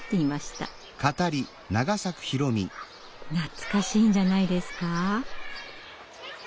懐かしいんじゃないですか？